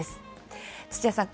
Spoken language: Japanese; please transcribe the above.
土屋さん